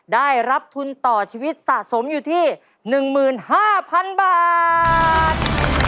ได้รับทุนต่อชีวิตสะสมอยู่ที่๑๕๐๐๐บาท